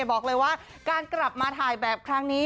บอกเลยว่าการกลับมาถ่ายแบบครั้งนี้